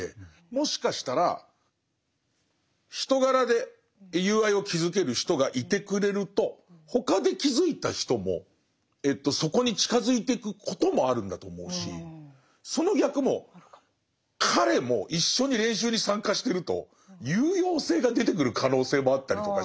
もしかしたら人柄で友愛を築ける人がいてくれると他で築いた人もそこに近づいてくこともあるんだと思うしその逆も彼も一緒に練習に参加してると有用性が出てくる可能性もあったりとかして。